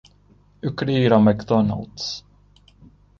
Eu queria ir ao McDonald's.